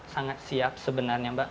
sangat siap sebenarnya